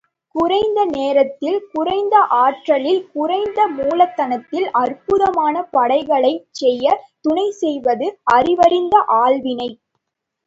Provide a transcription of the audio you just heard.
குறைந்த நேரத்தில் குறைந்த ஆற்றலில் குறைந்த மூலதனத்தில் அற்புதமான படைப்புக்களைச் செய்யத் துணை செய்வது அறிவறிந்த ஆள்வினை.